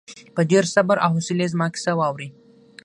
په ډېر صبر او حوصلې زما کیسه واورې.